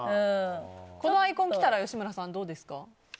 このアイコン来たら吉村さん、どうですか？